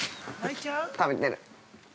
◆食べてる。